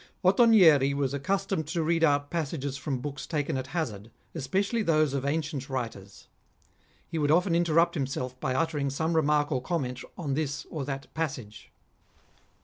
Ottonieei was accustomed to read out passages from books taken at hazard, especially those of ancient writers. He would often interrupt himself by uttering some remark or comment on this or that passage.